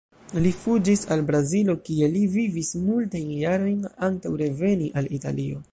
Li fuĝis al Brazilo kie li vivis multajn jarojn antaŭ reveni al Italio.